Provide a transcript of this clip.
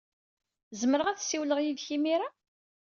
Zemreɣ ad ssiwleɣ yid-k imir-a?